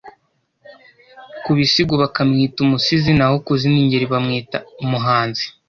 ku Bisigo bakamwita Umusizi, naho ku zindi ngeri bamwita Umuhanzi